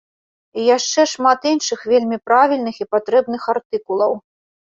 І яшчэ шмат іншых вельмі правільных і патрэбных артыкулаў.